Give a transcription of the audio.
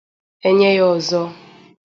e nye ya ọzọ